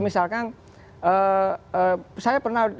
misalkan saya pernah berbicara